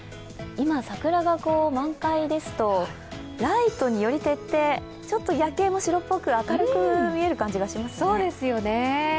今、桜が満開ですと、ライトにより照って、ちょっと夜景も白っぽく明るく見える感じがしますよね。